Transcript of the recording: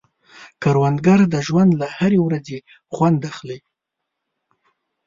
کروندګر د ژوند له هرې ورځې خوند اخلي